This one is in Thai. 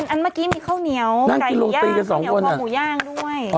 อันเมื่อกี้มีข้าวเหนียวไก่หมูย่างข้าวเหนียวคอหมูย่างด้วย